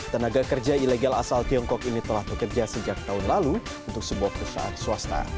tenaga kerja ilegal asal tiongkok ini telah bekerja sejak tahun lalu untuk sebuah perusahaan swasta